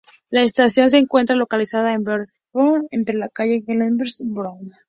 La estación se encuentra localizada en Bedford-Stuyvesant, Brooklyn entre la Calle Halsey y Broadway.